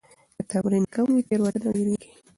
که تمرین کم وي، تېروتنه ډېريږي.